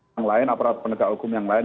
yang lain aparat penegak hukum yang lain